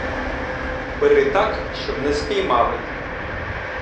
Бери так, щоб не спіймали.